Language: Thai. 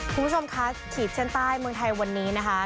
คุณผู้ชมคะขีดเส้นใต้เมืองไทยวันนี้นะคะ